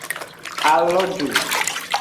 A lo ju.